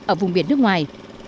ở vùng biển nước ngoài